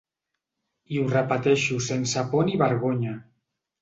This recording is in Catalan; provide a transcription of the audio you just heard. I ho repeteixo sense por ni vergonya.